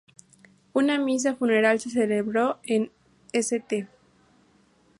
Una misa funeral se celebró en St.